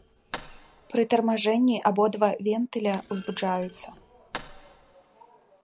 Пры тармажэнні абодва вентыля узбуджаюцца.